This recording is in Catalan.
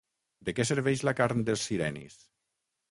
De què serveix la carn dels sirenis?